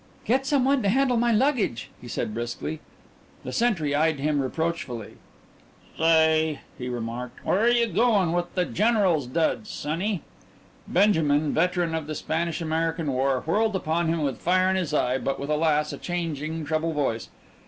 "Get some one to handle my luggage!" he said briskly. The sentry eyed him reproachfully. "Say," he remarked, "where you goin' with the general's duds, sonny?" Benjamin, veteran of the Spanish American War, whirled upon him with fire in his eye, but with, alas, a changing treble voice.